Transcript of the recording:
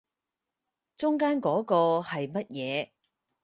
中間嗰個係乜嘢